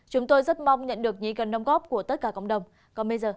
chúng tôi rất mong nhận được nhí cân nông góp của tất cả cộng đồng